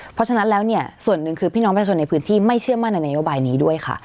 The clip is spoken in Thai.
เพราะฉะนั้นแล้วเนี่ยส่วนหนึ่งคือพี่น้องประชาชนในพื้นที่ไม่เชื่อมั่นในนโยบายนี้ด้วยค่ะ